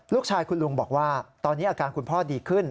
ลูกชายคุณลุงบอกว่าตอนนี้อาการคุณพ่อดีขึ้น